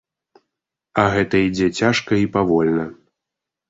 А гэта ідзе цяжка і павольна.